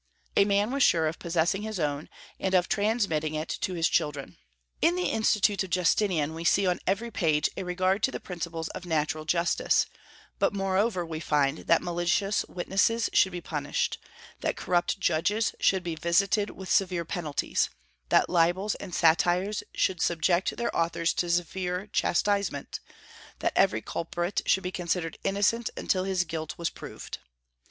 A man was sure of possessing his own, and of transmitting it to his children. In the Institutes of Justinian we see on every page a regard to the principles of natural justice: but moreover we find that malicious witnesses should be punished; that corrupt judges should be visited with severe penalties; that libels and satires should subject their authors to severe chastisement; that every culprit should be considered innocent until his guilt was proved.